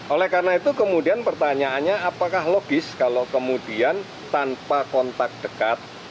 oleh karena itu kemudian pertanyaannya apakah logis kalau kemudian tanpa kontak dekat